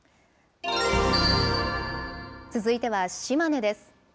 続いては島根です。